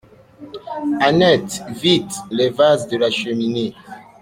Annette ! vite ! les vases de la cheminée.